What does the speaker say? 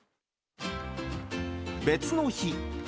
別の日。